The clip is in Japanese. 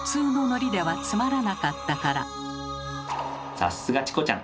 さっすがチコちゃん！